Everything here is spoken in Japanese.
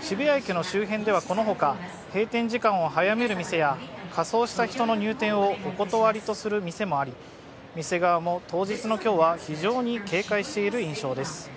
渋谷駅の周辺ではこのほか、閉店時間を早める店や仮装した人の入店をお断りとする店もあり、店側も当日の今日は非常に警戒している印象です。